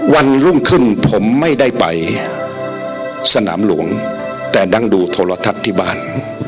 วันรุ่งขึ้นผมไม่ได้ไปสนามหลวงแต่นั่งดูโทรทัศน์ที่บ้าน